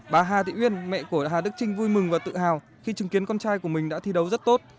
bà hà thị uyên mẹ của hà đức trinh vui mừng và tự hào khi chứng kiến con trai của mình đã thi đấu rất tốt